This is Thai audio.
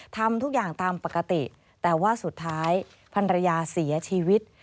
ทำทุกอย่างตามปกติแต่ว่าสุดท้ายพันรยาเสียชีวิต